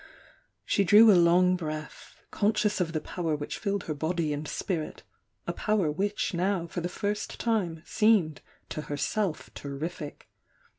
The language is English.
She drew a long breath, conscious of the power which filled her body and spirit, — a power which now for the first time seemed to herself terrific.